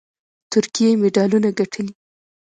ترکیې مډالونه ګټلي